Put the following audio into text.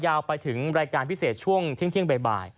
ยาวไปถึงรายการพิเศษช่วงเที่ยงบ่าย